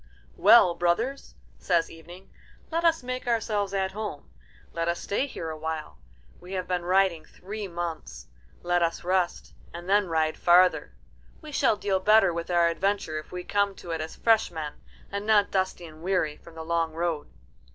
"Well, brothers," says Evening, "let us make ourselves at home. Let us stay here awhile. We have been riding three months. Let us rest, and then ride farther. We shall deal better with our adventure if we come to it as fresh men, and not dusty and weary from the long road."